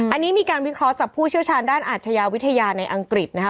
อันนี้มีการวิเคราะห์จากผู้เชี่ยวชาญด้านอาชญาวิทยาในอังกฤษนะคะ